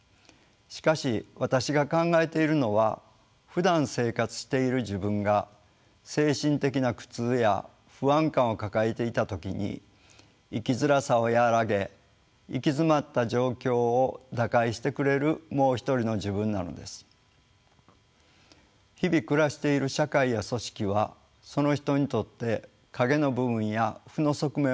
しかし私が考えているのはふだん生活している「自分」が精神的な苦痛や不安感を抱えていた時に生きづらさを和らげ行き詰まった状況を打開してくれる「もう一人の自分」なのです。日々暮らしている社会や組織はその人にとって影の部分や負の側面を持っています。